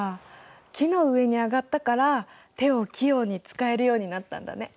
木の上に上がったから手を器用に使えるようになったんだね。